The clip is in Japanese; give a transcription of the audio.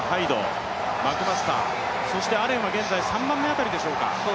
そしてアレンは現在３番目辺りでしょうか。